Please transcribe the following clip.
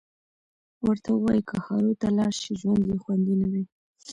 ورته ووایه که هارو ته لاړ شي ژوند یې خوندي ندی